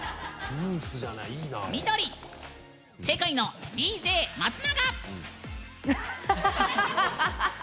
緑、世界のＤＪ松永！